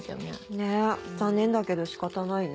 ねぇ残念だけど仕方ないね。